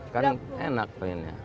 kan enak pengennya